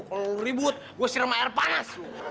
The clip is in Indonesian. kalau lo ribut gue siram air panas lo